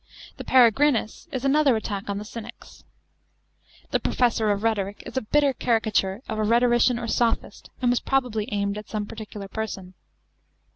The Pereyrinus is another attack on the Cynics. The Professor of Rhetoric} is a bitter caricature of a rhetorician or sophist, and was probably aimed at some particular person.